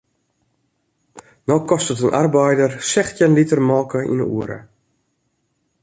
No kostet in arbeider sechstjin liter molke yn de oere.